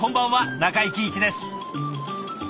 中井貴一です。